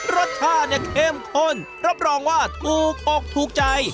รสชาติเนี่ยเข้มข้นรับรองว่าถูกอกถูกใจ